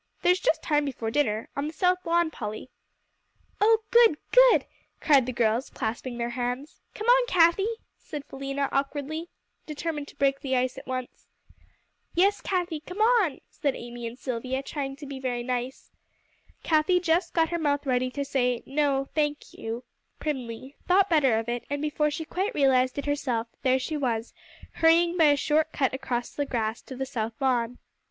There's just time before dinner on the south lawn, Polly." "Oh, good good!" cried the girls, clapping their hands. "Come on, Cathie," said Philena awkwardly, determined to break the ice at once. "Yes, Cathie, come on," said Amy and Silvia, trying to be very nice. Cathie just got her mouth ready to say, "No, I thank you," primly, thought better of it, and before she quite realized it herself, there she was, hurrying by a short cut across the grass to the south lawn.